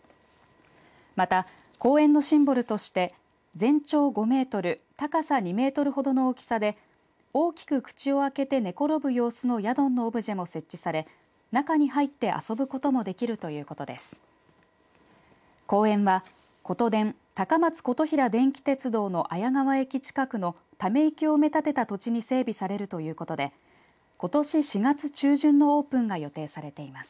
また、公園のシンボルとして全長５メートル高さ２メートルほどの大きさで大きく口を開けて寝転ぶ様子のヤドンのオブジェも設置され、中に入って遊ぶこともできるということです。